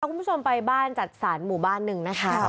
คุณผู้ชมไปบ้านจัดสรรหมู่บ้านหนึ่งนะคะ